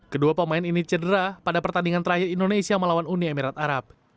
kedua pemain ini cedera pada pertandingan terakhir indonesia melawan uni emirat arab